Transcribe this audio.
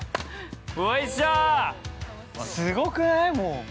◆すごくない？、もう。